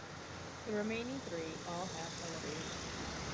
The remaining three all have elevators.